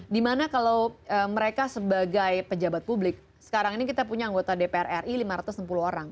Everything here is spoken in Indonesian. dimana kalau mereka sebagai pejabat publik sekarang ini kita punya anggota dpr ri lima ratus enam puluh orang